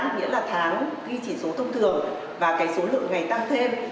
nghĩa là tháng ghi chỉ số thông thường và cái số lượng ngày tăng thêm